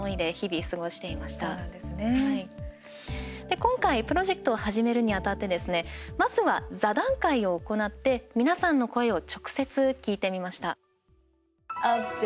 今回、プロジェクトを始めるにあたってですねまずは座談会を行って皆さんの声を直接聞いてみました。